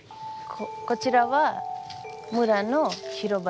こちらは村の広場です。